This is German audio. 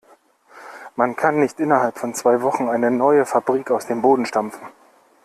Man kann nicht innerhalb von zwei Wochen eine neue Fabrik aus dem Boden stampfen.